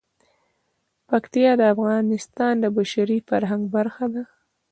پکتیا د افغانستان د بشري فرهنګ برخه ده.